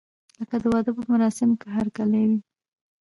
لکه د واده په مراسمو کې هرکلی وي.